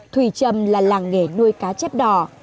thủy trầm là làng nghề nuôi cá chép đỏ